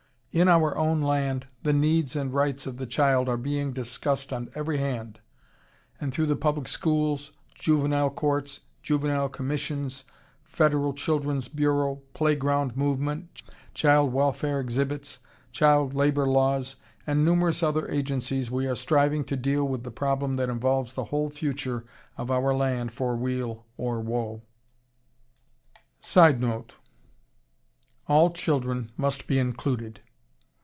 In our own land the needs and rights of the child are being discussed on every hand, and through the Public Schools, Juvenile Courts, Juvenile Commissions, Federal Children's Bureau, Playground Movement, Child Welfare Exhibits, Child Labor laws, and numerous other agencies we are striving to deal with the problem that involves the whole future of our land for weal or woe. [Sidenote: All children must be included.